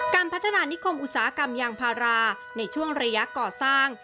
การพัฒนานิคมอุตสาหกรรมยางพาราในช่วงระยะก่อสร้าง